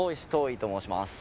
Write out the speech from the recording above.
生と申します